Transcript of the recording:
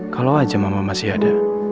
kalau aja mama masih ada